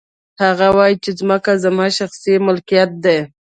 هغه وايي چې ځمکې زما شخصي ملکیت دی